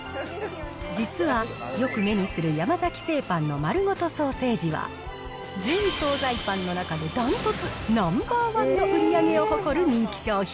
実はよく目にする山崎製パンのまるごとソーセージは、全総菜パンの中で断トツナンバーワンの売り上げを誇る人気商品。